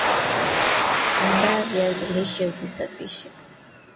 Andaa viazi lishe visafishe